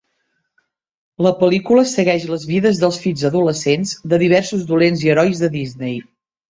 La pel·lícula segueix les vides dels fills adolescents de diversos dolents i herois de Disney.